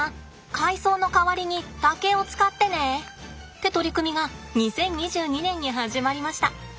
海藻の代わりに竹を使ってねって取り組みが２０２２年に始まりました。